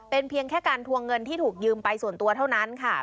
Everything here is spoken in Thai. เป็นเพียงแค่การทวงเงินที่ถูกยืมไปส่วนตัวเท่านั้นค่ะ